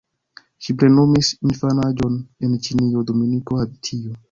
Ŝi plenumis infanaĝon en Ĉinio, Dominiko, Haitio.